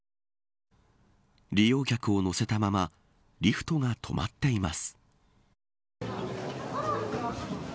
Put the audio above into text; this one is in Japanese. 利用客を乗せたままリフトが止まっています。